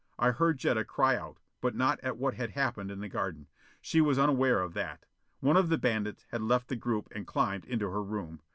I heard Jetta cry out, but not at what had happened in the garden: she was unaware of that. One of the bandits had left the group and climbed into her room.